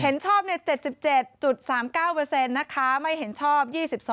เห็นชอบ๗๗๓๙นะคะไม่เห็นชอบ๒๒